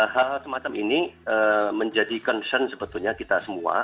hal semacam ini menjadi concern sebetulnya kita semua